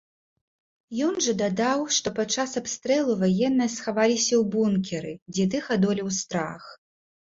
Ён жа дадаў, што падчас абстрэлу ваенныя схаваліся ў бункеры, дзе тых адолеў страх.